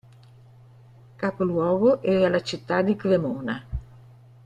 Capoluogo era la città di Cremona.